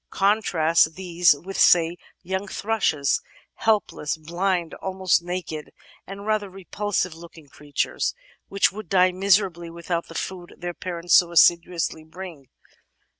Contrast these with, say, young thrushes — ^helpless, blind, almost naked, and rather repulsive looking creatiures, which would die miserably without the food their parents so assiduously bring.